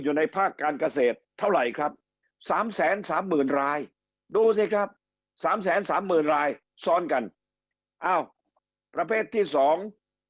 อยู่ในภาคการกาเสทเท่าไหร่ครับ๓๓๐๐๐๐ลายซ้อนกันส่อง